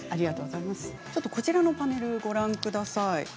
ちょっとこちらのパネルご覧ください。